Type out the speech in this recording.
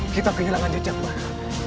kita kehilangan jejak barat